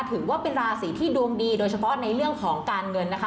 ถือว่าเป็นราศีที่ดวงดีโดยเฉพาะในเรื่องของการเงินนะคะ